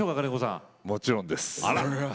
もちろんです。